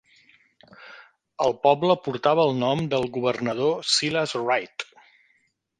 El poble portava el nom del governador Silas Wright.